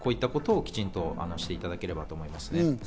こういったことをきちんとしていただければと思いますね。